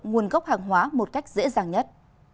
nguồn gốc hàng hóa một cách dễ dàng nhất